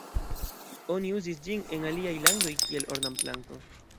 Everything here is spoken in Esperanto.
Oni uzis ĝin en aliaj landoj kiel ornamplanto.